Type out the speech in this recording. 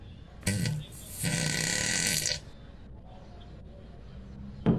Marengo konderrian kokatuta dago, Alabama estatuan.